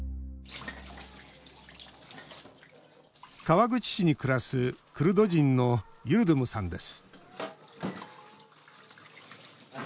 川口市に暮らすクルド人のユルドゥムさんです。